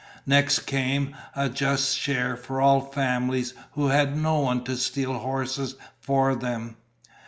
Next came a just share for all families who had no one to steal horses for them.